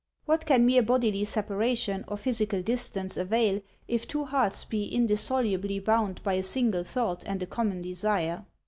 What can mere bodily separation or physical distance avail if two hearts be indissolubly bound by a single thought and a common desire